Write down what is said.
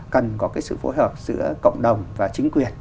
cần có cái sự phối hợp giữa cộng đồng và chính quyền